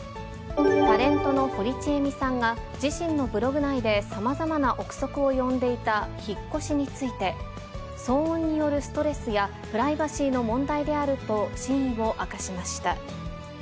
タレントの堀ちえみさんが、自身のブログ内でさまざまな臆測を呼んでいた引っ越しについて、騒音によるストレスやプライバシーの問題であると真意を明かしました。